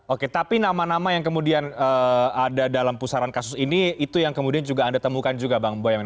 oke tapi nama nama yang kemudian ada dalam pusaran kasus ini itu yang kemudian juga anda temukan juga bang boyamin